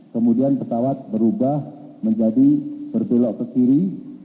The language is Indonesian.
kemudian pesawat berubah menjadi berbelok ke kiri